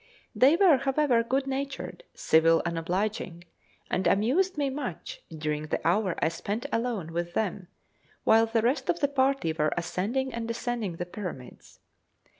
They were, however, good natured, civil, and obliging, and amused me much during the hour I spent alone with them while the rest of the party were ascending and descending the Pyramids.